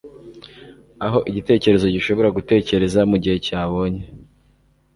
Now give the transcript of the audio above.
Aho igitekerezo gishobora gutekereza mugihe cyabonye